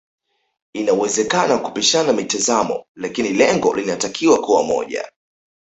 Inawezakana kupishana mitazamo lakini lengo linatakiwa kuwa moja